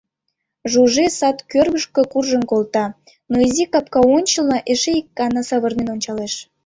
Жужи сад кӧргышкӧ куржын колта, но изи капка ончылно эше ик гана савырнен ончалеш.